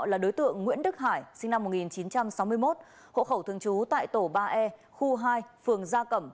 là đối tượng nguyễn đức hải sinh năm một nghìn chín trăm sáu mươi một hộ khẩu thường trú tại tổ ba e khu hai phường gia cẩm